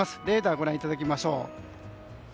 レーダーをご覧いただきましょう。